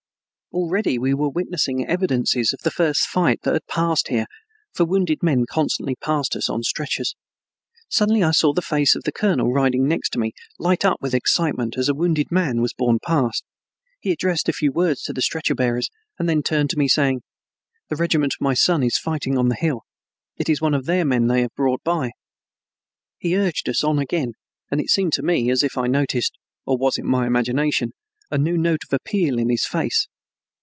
Already we were witnessing evidences of the first fight that had passed here, for wounded men constantly passed us on stretchers. Suddenly I saw the face of the colonel riding next to me, light up with excitement as a wounded man was borne past. He addressed a few words to the stretcher bearers and then turned to me, saying: "The regiment of my son is fighting on the hill. It is one of their men they have brought by." He urged us on again, and it seemed to me as if I noticed or was it my imagination a new note of appeal in his face.